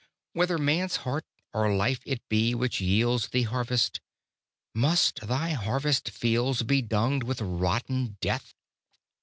Whether man's heart or life it be which yields Thee harvest, must Thy harvest fields Be dunged with rotten death?